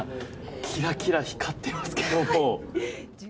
キラキラ光ってますけど。